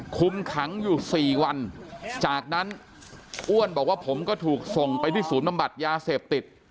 คุมขังอยู่สี่วันจากนั้นอ้วนบอกว่าผมก็ถูกส่งไปที่ศูนย์บำบัดยาเสพติด